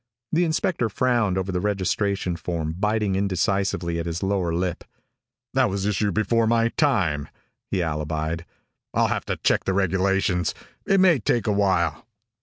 The inspector frowned over the registration form, biting indecisively at his lower lip. "That was issued before my time," he alibied. "I'll have to check the regulations. It may take a while."